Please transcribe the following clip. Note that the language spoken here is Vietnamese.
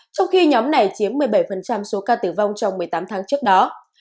trong khi nhóm này chiếm một mươi bảy số ca tử vong trong một mươi tám tháng trước đó